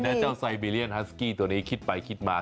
แล้วเจ้าไซบีเรียนฮัสกี้ตัวนี้คิดไปคิดมา